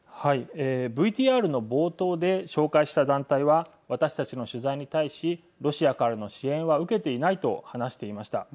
ＶＴＲの冒頭で紹介した団体は私たちの取材に対しロシアからの支援は受けていないと話していました。